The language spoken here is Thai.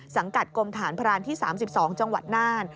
สังกัดกรมฐานพรานที่๓๒จังหวัดน่าน